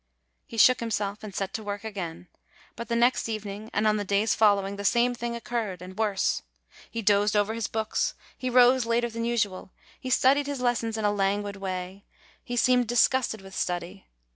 He shook himself and set to work again. But the next evening, and on the days following, the same thing occurred, and worse: he dozed over his books, he rose later than usual, he studied his lessons in a languid way, he seemed disgusted with study.